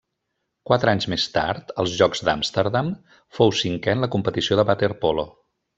Quatre anys més tard, als Jocs d'Amsterdam, fou cinquè en la competició de waterpolo.